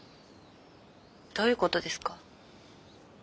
どういう事ですか？